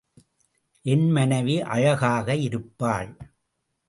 என் மனைவி அழகாக இருப்பாள்.